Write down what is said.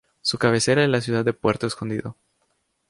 Su cabecera es la ciudad de Puerto Escondido.